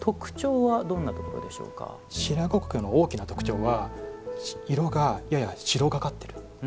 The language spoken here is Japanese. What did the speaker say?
大きな特徴は色がやや白がかっている。